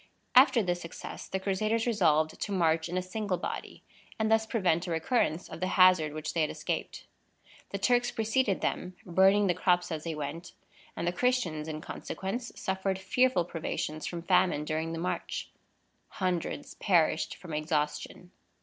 After this success the Crusaders resolved to march in a single body, and thus prevent a recurrence of the hazard which they had escaped. The Turks preceded them, burning the crops as they went, and the Christians, in consequence, suffered fearful privations from famine during the march. Hundreds perished from exhaustion.